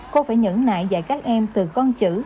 cô phải nhẫn nại dạy các em từ con chữ